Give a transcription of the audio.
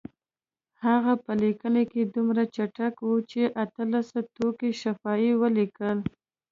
هغه په لیکلو کې دومره چټک و چې اتلس ټوکه شفا یې ولیکل.